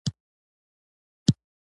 نور قشرونو نومول منطقي روش نه دی.